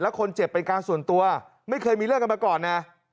คนเจ็บเป็นการส่วนตัวไม่เคยมีเรื่องกันมาก่อนนะ